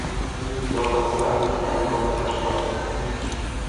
Bylo tomu tak, paní komisařko?